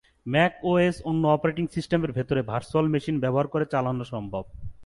MacOS অন্য operating সিস্টেমের ভেতরে ভার্চুয়াল মেশিন ব্যবহার করে চালানো সম্ভব।